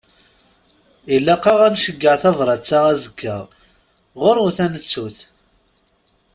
Ilaq-aɣ ad nceyyeε tabrat-a azekka, ɣurwat ad nettut.